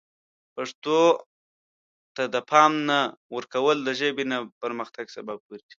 پښتو ته د پام نه ورکول د ژبې نه پرمختګ سبب ګرځي.